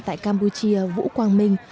tại campuchia vũ quang minh